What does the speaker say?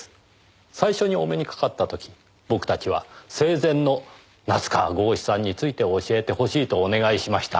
最初にお目にかかった時僕たちは生前の夏河郷士さんについて教えてほしいとお願いしました。